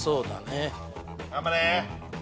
頑張れ！